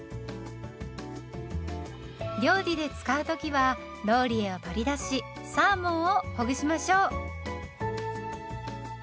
料理で使う時はローリエを取り出しサーモンをほぐしましょう。